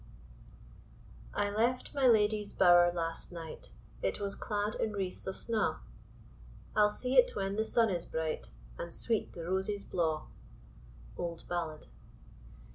I left my ladye's bower last night It was clad in wreaths of snaw, I'll seek it when the sun is bright, And sweet the roses blaw. OLD BALLAD.